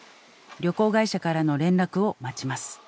旅行会社からの連絡を待ちます。